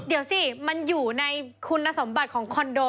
เดี๋ยวสิมันอยู่ในคุณสมบัติของคอนโด